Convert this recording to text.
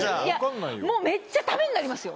もうめっちゃタメになりますよ。